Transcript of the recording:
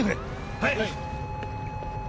はい！